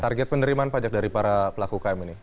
target penerimaan pajak dari para pelaku ukm ini